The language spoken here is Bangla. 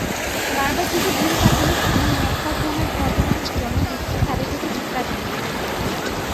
বারবার যেসব ভীরু-কাপুরুষ এমন ন্যক্কারজনক ঘটনার জন্ম দিচ্ছে, তাদের প্রতি ধিক্কার জানাচ্ছি।